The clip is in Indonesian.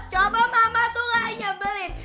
coba mama tuh gak nyebelin